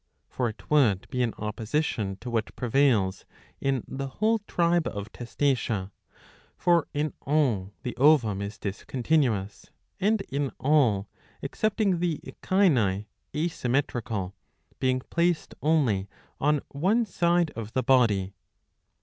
For it would be in opposition to what prevails in the whole tribe of Testacea ;^^ for in all the ovum is discontinuous, and in all, excepting .the Echini, asymmetrical, being placed only on one side of the body.